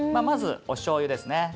まずおしょうゆですね